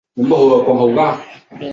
而师云砵桥一段为四线双程。